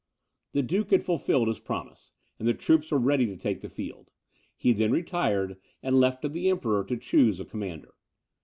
The duke had fulfilled his promise, and the troops were ready to take the field; he then retired, and left to the Emperor to choose a commander.